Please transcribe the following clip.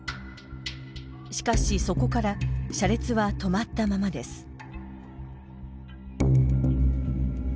しかしそこから車列は止まったままです。